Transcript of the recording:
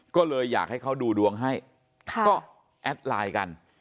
ก็เลยอยากให้เขาดูดวงให้ก็แอดไลน์กัน